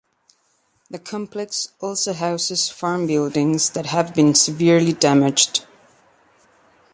The complex also houses farm buildings that have been severely damaged.